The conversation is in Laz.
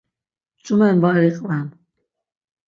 Ç̌umen var iqven.